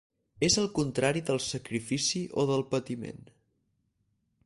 És el contrari del sacrifici o del patiment.